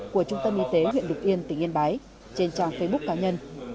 của trung tâm y tế huyện lục yên tỉnh yên bái trên trang facebook cá nhân